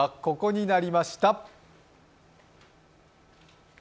ここになりました。